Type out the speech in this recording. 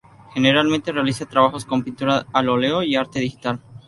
Generalmente realiza trabajos con pintura al óleo y arte digital.